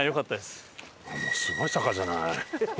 すごい坂じゃない。